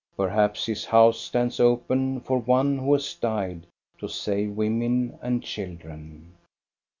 Per haps his house stands open for one who has died to save women and children.